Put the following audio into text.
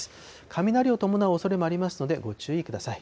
雷を伴うおそれもありますのでご注意ください。